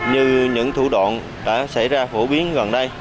như những thủ đoạn đã xảy ra phổ biến gần đây